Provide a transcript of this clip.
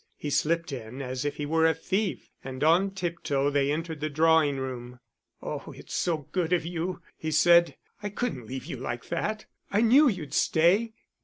He slipped in as if he were a thief, and on tiptoe they entered the drawing room. "Oh, it's so good of you," he said. "I couldn't leave you like that. I knew you'd stay."